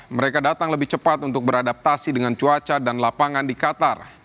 mereka datang lebih cepat untuk beradaptasi dengan cuaca dan lapangan di qatar